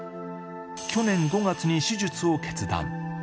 去年５月に手術を決断。